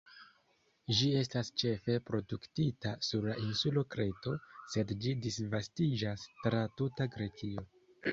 Ĝi estas ĉefe produktita sur la insulo Kreto, sed ĝi disvastiĝas tra tuta Grekio.